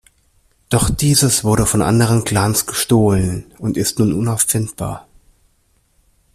Doch dieses wurde von anderen Clans gestohlen und ist nun unauffindbar.